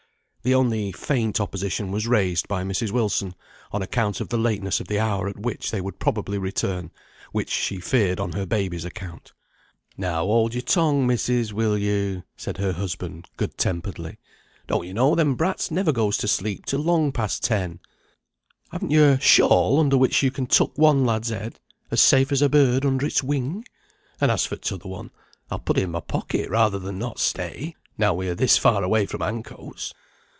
The only faint opposition was raised by Mrs. Wilson, on account of the lateness of the hour at which they would probably return, which she feared on her babies' account. "Now, hold your tongue, missis, will you," said her husband, good temperedly. "Don't you know them brats never goes to sleep till long past ten? and haven't you a shawl, under which you can tuck one lad's head, as safe as a bird's under its wing? And as for t'other one, I'll put it in my pocket rather than not stay, now we are this far away from Ancoats."